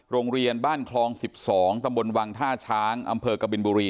โรงเรียนบ้านคลอง๑๒ตำบลวังท่าช้างอำเภอกบินบุรี